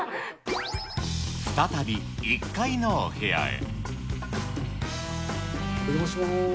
再び１階のお部屋へ。